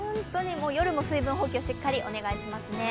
夜も水分補給、しっかりお願いしますね。